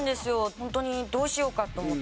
ホントにどうしようかと思って。